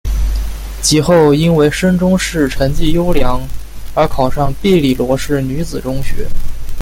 及后因为升中试成绩优良而考上庇理罗士女子中学。